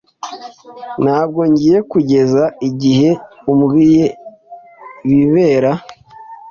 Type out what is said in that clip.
Ntabwo ngiye kugeza igihe umbwiye ibibera.